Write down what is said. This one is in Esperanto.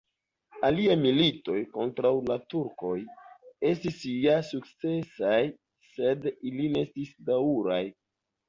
Aliaj militoj kontraŭ la turkoj estis ja sukcesaj, sed ili ne estis daŭraj.